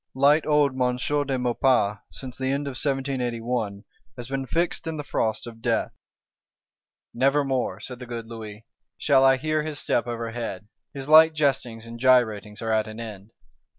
Light old M. de Maurepas, since the end of 1781, has been fixed in the frost of death: 'Never more,' said the good Louis, 'shall I hear his step overhead;' his light jestings and gyratings are at an end.